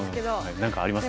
何かあります？